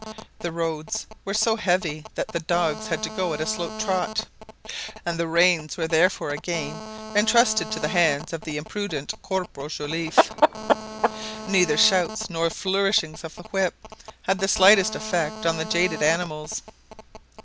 The roads were so heavy that the dogs had to go at a slow trot, and the reins were therefore again entrusted to the hands of the imprudent Corporal Joliffe. Neither shouts nor flourishings of the whip had the slightest effect on the jaded animals.